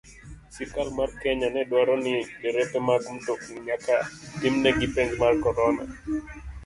Sirkal mar Kenya ne dwaro ni derepe mag mtokni nyaka timnegi penj mar corona